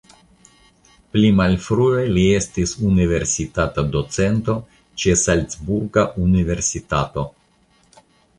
Pli malfrue li estis universitata docento ĉe Salcburga universitato.